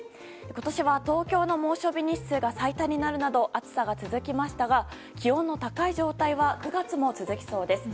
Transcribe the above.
今年は、東京の猛暑日日数が最多になるなど暑さが続きましたが気温の高い状態は９月も続きそうです。